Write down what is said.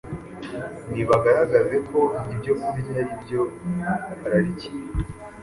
ntibagaragaze ko ibyo kurya ari byo bararikiye.